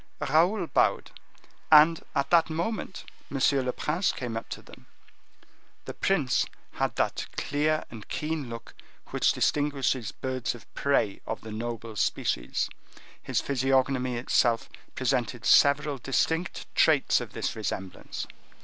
Raoul bowed, and, at that moment, M. le Prince came up to them. The prince had that clear and keen look which distinguishes birds of prey of the noble species; his physiognomy itself presented several distinct traits of this resemblance.